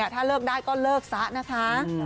ถ้าเลิกได้ก็เลิกซะนะคะ